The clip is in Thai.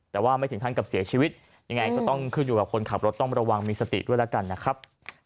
แต่ว่าไม่ถึงขั้นกับเสียชีวิตยังไงก็ต้องขึ้นอยู่กับคนขับรถต้องระวังมีสติด้วยแล้วกันนะครับ